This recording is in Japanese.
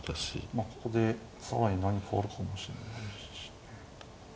まあここで更に何かあるかもしれないしね。